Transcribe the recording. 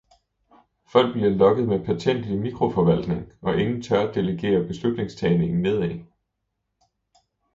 Folk bliver lokket med pertentlig mikroforvaltning, og ingen tør delegere beslutningstagningen nedad.